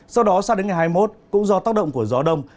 sau đó sang đến ngày hai mươi một cũng do tác động của gió đông